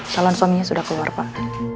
calon suaminya sudah keluar pak